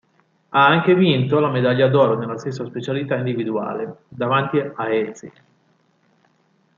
Ha anche vinto la medaglia d'oro nella stessa specialità individuale, davanti a He Zi.